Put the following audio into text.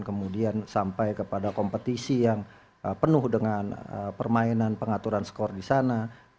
kemudian sampai kepada kompetisi yang penuh dengan permainan pengaturan skor di sana